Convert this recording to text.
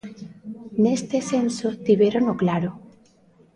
Neste senso tivérono claro.